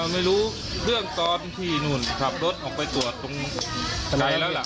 ไม่รู้เรื่องตอนที่นู่นขับรถออกไปตรวจตรงไหนแล้วล่ะ